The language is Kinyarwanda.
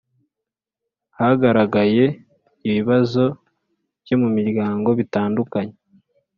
Hagaragaye ibibazo byo mu miryango bitandukanye